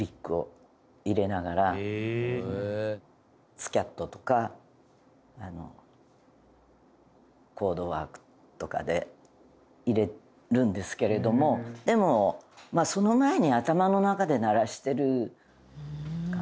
スキャットとかコードワークとかで入れるんですけれどもでもその前に。